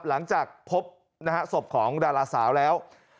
หลังจากพบนะฮะศพของดาราสาวแล้ว